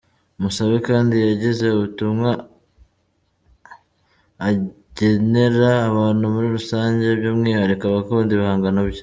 Musabe kandi yagize ubutumwa agenera abantu muri rusange by’umwihariko abakunda ibhangano bye .